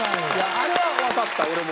あれはわかった俺も。